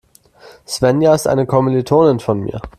Svenja ist eine Kommilitonin von mir.